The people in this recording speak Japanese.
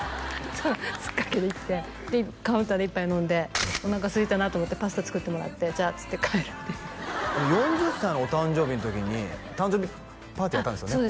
つっかけで行ってでカウンターで一杯飲んでおなかすいたなと思ってパスタ作ってもらってじゃあっつって帰るっていう４０歳のお誕生日の時に誕生日パーティーやったんですよね？